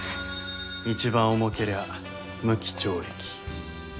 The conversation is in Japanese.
一番重けりゃ無期懲役。